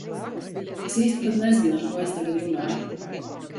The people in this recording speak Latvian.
Es īsti pat nezinu, ar ko es tagad runāju...